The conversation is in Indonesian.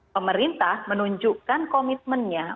pemerintah menunjukkan komitmennya